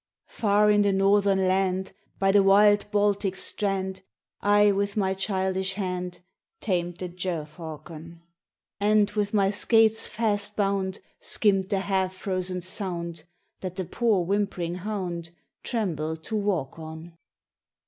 RAINBOW GOLD "Far in the Northern Land, By the wild Baltic's strand, I with my childish hand, Tamed the gerfalcon; And, with my skates fast bound, Skimmed the half frozen Sound, That the poor whimpering hound Trembled to walk on.